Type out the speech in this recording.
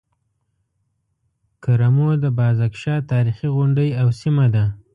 کرمو د بازک شاه تاريخي غونډۍ او سيمه ده.